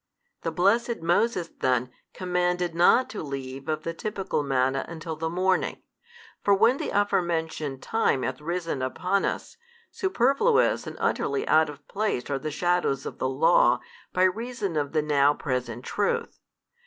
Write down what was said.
The blessed Moses then commanded not to leave of the typical manna until the morning; for when the aforementioned time hath risen upon us, superfluous and utterly out of place are the shadows of the Law by reason of the now present truth.